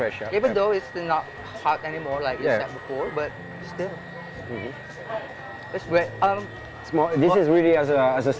meskipun tidak terlalu panas seperti yang anda katakan sebelumnya tetapi